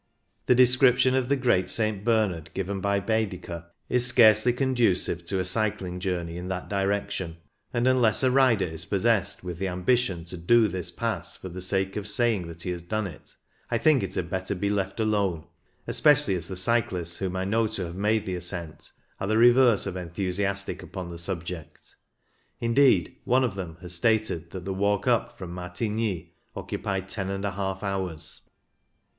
The description of the great St. Bernard 1 86 CYCLING IN THE ALPS given by Baedeker is scarcely conducive to a cycling journey in that direction, and unless a rider is possessed with the ambi tion to "do" this Pass for the sake of saying that he has done it, I think it had better be left alone, especially as the cyclists whom I know to have made the ascent are the reverse of enthusiastic upon the subject. Indeed, one of them has stated that the walk up from Martigny occupied loj hours.